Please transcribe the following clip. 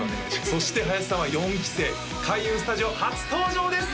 そして林さんは４期生開運スタジオ初登場です！